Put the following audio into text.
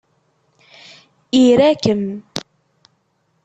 Ira-kem!